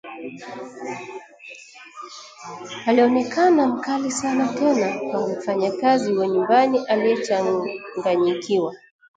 Alionekana mkali sana tena kwa mfanyakazi wa nyumbani aliyechanganyikiwa